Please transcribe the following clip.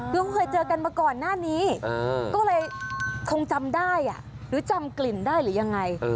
คือเขาเคยเจอกันมาก่อนหน้านี้ก็เลยคงจำได้หรือจำกลิ่นได้หรือยังไง